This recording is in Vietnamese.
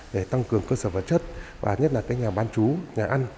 để tăng cường cơ sở vật chất và nhất là các nhà bán chú nhà ăn